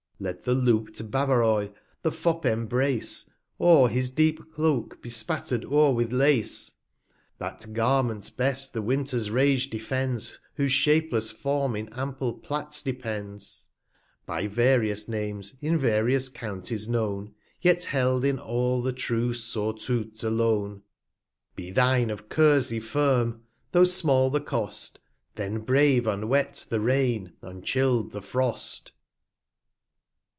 Let the loop'd Bavaroy the Fop embrace, Or his deep Cloak be spatter'd o'er with Lace. That Garment best the Winter's Rage defends, 55 Whose shapeless Form in ample Plaits depends; By * various Names in various Counties known, Yet held in all the true Surtout alone : Be thine of Kersey firm, though small the Cost, Then brave unwet the Rain, unchill'd the Frost.